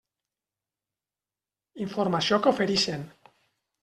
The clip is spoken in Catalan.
Informació que oferixen.